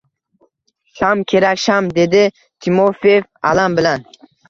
Sham kerak! Sham! – dedi Timofeev alam bilan.